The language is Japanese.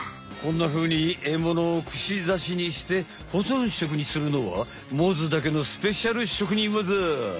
こんなふうにえものをくしざしにして保存食にするのはモズだけのスペシャル職人わざ！